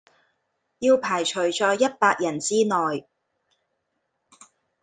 要排除在一百人之内